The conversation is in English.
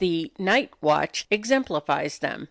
The "Night Watch" exemplifies them.